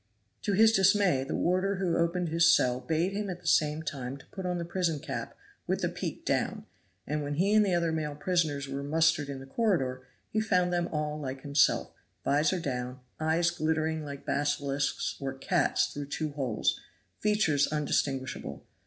To his dismay, the warder who opened his cell bade him at the same time put on the prison cap, with the peak down; and when he and the other male prisoners were mustered in the corridor, he found them all like himself, vizor down, eyes glittering like basilisks' or cats' through two holes, features undistinguishable.